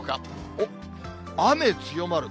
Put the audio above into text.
おっ、雨強まる。